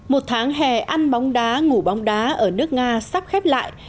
một tháng hè ăn bóng đá ngủ bóng đá ở nước nga sắp khép lại